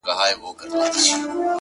هغه ولس چي د !